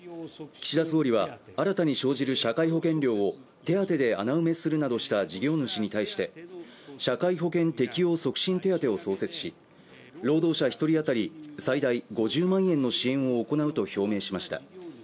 岸田総理は新たに生じる社会保険料を手当で穴埋めするなどした事業主に対して社会保険適用促進手当を創設し、労働者１人当たり最大５０万円の支援を行うと表明しました。